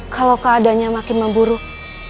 kalau keadanya makin memburuk